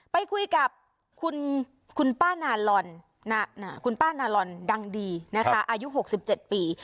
ไปคุยกับคุณคุณป้านาลอนคุณป้านาลอนดังดีนะคะอายุหกสิบเจ็ดปี